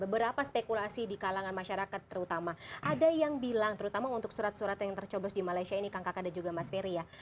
beberapa spekulasi di kalangan masyarakat terutama ada yang bilang terutama untuk surat surat yang tercoblos di malaysia ini kang kakak dan juga mas ferry ya